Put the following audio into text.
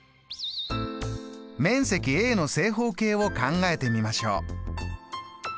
面積の正方形を考えてみましょう。